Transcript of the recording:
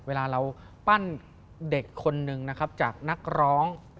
เวลาเราปั้นเด็กคนหนึ่งนะครับจากนักร้อง